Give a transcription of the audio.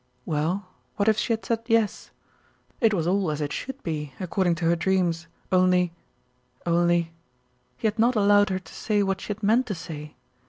Well, what if she had said yes? It was all as it should be, according to her dreams, only only he had not allowed her to say what she had meant to say.